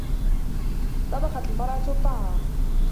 طَبَخْتْ الْمَرْأَةُ الطَّعَامَ.